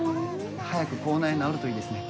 早く口内炎治るといいですね・